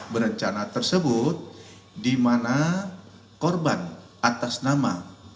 berencana tersebut dimana korban atas nama